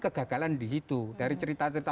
kegagalan di situ dari cerita cerita